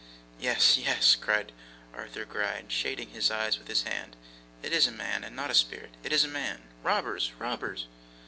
'Yes, yes,' cried Arthur Gride, shading his eyes with his hand, 'it is a man, and not a spirit. It is a man. Robbers! robbers!